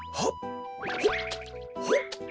ほっほっ。